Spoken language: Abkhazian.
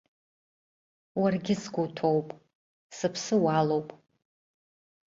Уаргьы сгәы уҭоуп, сыԥсы уалоуп.